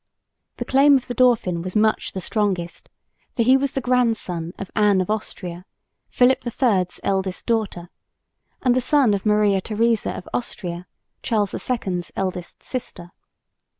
The claim of the Dauphin was much the strongest, for he was the grandson of Anne of Austria, Philip III's eldest daughter, and the son of Maria Theresa of Austria, Charles II's eldest sister.